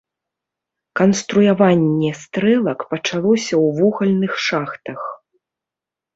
Канструяванне стрэлак пачалося ў вугальных шахтах.